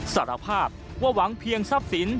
สารภาพว่าหวังเพียงทรัพย์สิน